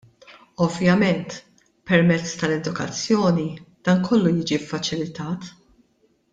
Ovvjament, permezz tal-edukazzjoni, dan kollu jiġi ffaċilitat.